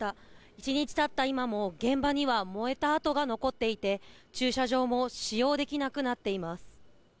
１日たった今も、現場には燃えた跡が残っていて、駐車場も使用できなくなっています。